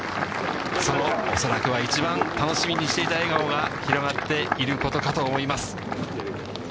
その恐らくは一番、楽しみにしていた笑顔が広がっていることかと思います。